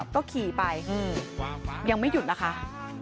ก็ขี่ไปยังไม่หยุดนะคะ